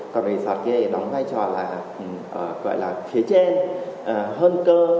còn resort kia thì đóng vai trò là gọi là phía trên hơn cơ